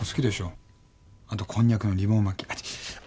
あとこんにゃくのリボン巻きアチチチ！